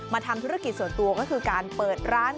ทำธุรกิจส่วนตัวก็คือการเปิดร้าน